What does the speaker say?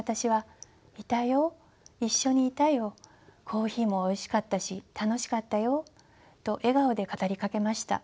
コーヒーもおいしかったし楽しかったよ」と笑顔で語りかけました。